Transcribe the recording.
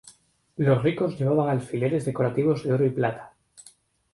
Los ricos llevaban alfileres decorativos de oro y de plata.